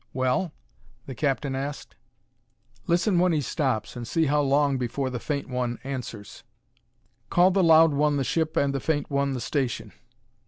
"Well?" the captain asked. "Listen when he stops and see how long before the faint one answers. Call the loud one the ship and the faint one the station....